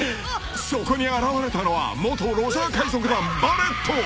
［そこに現れたのは元ロジャー海賊団バレット］